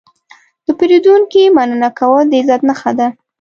د پیرودونکي مننه کول د عزت نښه ده.